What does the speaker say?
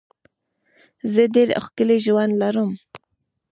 زه ډېر ښکلی ژوند لرم.